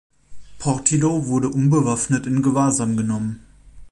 Portillo wurde unbewaffnet in Gewahrsam genommen.